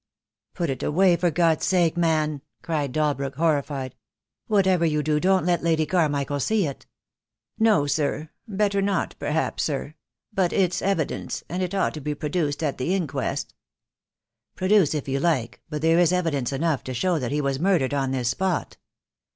"Put it away for God's sake, man," cried Dalbrook, horrified. "Whatever you do don't let Lady Carmichael see it." "No, sir, better not, perhaps, sir — but it's evidence, and it ought to be produced at the inquest." "Produce it if you like; but there is evidence enough to show that he was murdered on this spot."